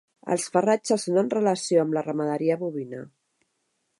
Els farratges són en relació amb la ramaderia bovina.